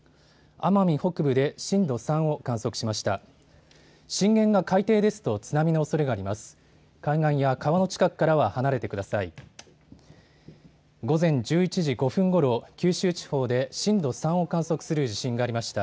奄美北部で震度３を観測しました。